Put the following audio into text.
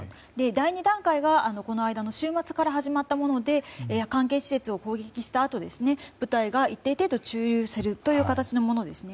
第２段階がこの間の週末から始まったもので関係施設を攻撃したあと部隊が一定程度駐留するという形のものですね。